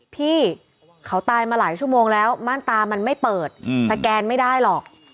พี่เขาตายมาหลายชั่วโมงแล้วม่านตามันไม่เปิดสแกนไม่ได้หรอก